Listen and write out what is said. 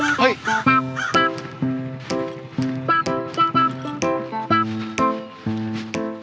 อย่ายิ้มไปจากนั้น